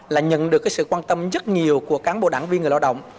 là nhận được cái sự quan tâm rất nhiều của cán bộ đảng viên người lao động